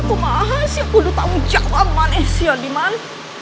kumaha si budu tanggung jawab manesia diman